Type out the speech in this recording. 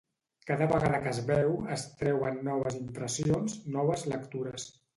Cada vegada que es veu es treuen noves impressions, noves lectures.